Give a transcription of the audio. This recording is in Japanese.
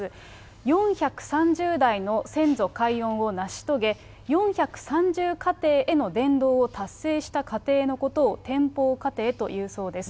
４３０代の先祖解怨を成し遂げ、４３０家庭への伝道を達成した家庭のことを、天寶家庭というそうです。